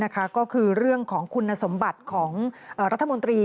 ก็คือเรื่องของคุณสมบัติของรัฐมนตรี